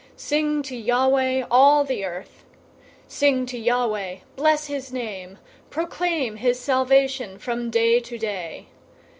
Sing to Yahweh, all the earth. 096:002 Sing to Yahweh! Bless his name! Proclaim his salvation from day to day!